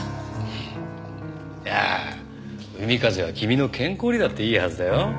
いやあ海風は君の健康にだっていいはずだよ。